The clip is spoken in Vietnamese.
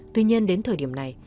tuy nhiên đến thời điểm này